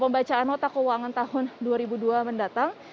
pembacaan nota keuangan tahun dua ribu dua mendatang